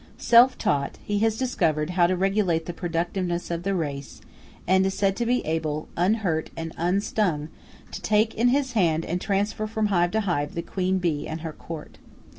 Self taught, he has discovered how to regulate the productiveness of the race, and is said to be able, unhurt and unstung, to take in his hand and transfer from hive to hive the Queen bee and her court.